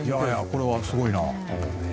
これはすごいな。